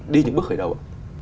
đi những bước khởi đầu ạ